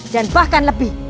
dan bahkan lebih